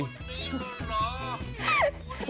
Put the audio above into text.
นี่รอบเหรอ